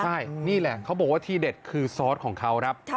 ใช่นี่แหละเขาบอกว่าที่เด็ดคือซอสของเขาครับ